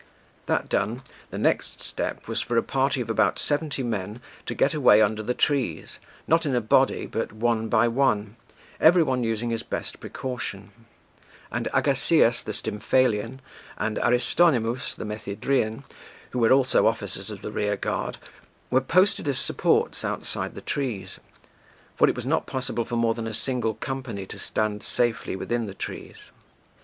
That done, the next step was for a party of about seventy men to get away under the trees, not in a body, but one by one, every one using his best precaution; and Agasis the Stymphalian, and Aristonymous the Methydrian, who were also officers of the rearguard, were posted as supports outside the trees; for it was not possible for more than a single company to stand safely within the trees.